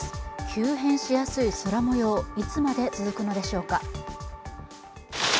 急変しやすい空もよう、いつまで続くのでしょうか。